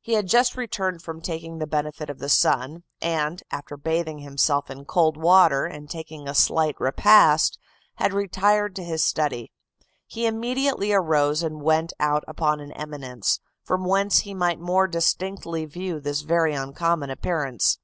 He had just returned from taking the benefit of the sun, and, after bathing himself in cold water, and taking a slight repast, had retired to his study. He immediately arose, and went out upon an eminence, from whence he might more distinctly view this very uncommon appearance.